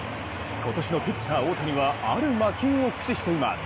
今年のピッチャー・大谷はある魔球を駆使しています。